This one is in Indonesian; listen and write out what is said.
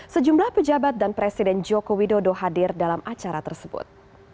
sejumlah pejabat dan presiden joko widodo hadir dalam acara tersebut